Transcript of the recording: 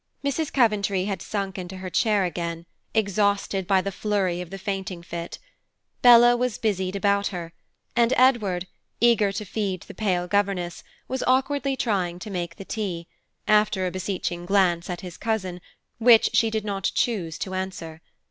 Mrs. Coventry had sunk into her chair again, exhausted by the flurry of the fainting fit. Bella was busied about her; and Edward, eager to feed the pale governess, was awkwardly trying to make the tea, after a beseeching glance at his cousin which she did not choose to answer.